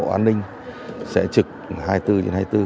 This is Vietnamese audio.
an ninh sẽ trực hai mươi bốn trên hai mươi bốn